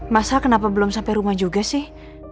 masa kenapa belum sampai rumah juga sih